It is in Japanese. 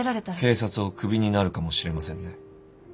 警察を首になるかもしれませんね。